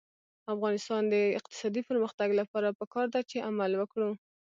د افغانستان د اقتصادي پرمختګ لپاره پکار ده چې عمل وکړو.